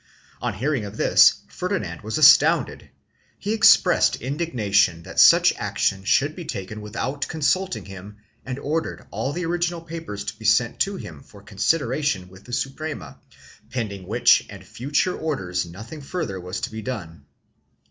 On hear ing of this Ferdinand was astounded; he expressed indignation that such action should be taken without consulting him and ordered all the original papers to be sent to him for consideration with the Suprema, pending which and future orders nothing further was to be done.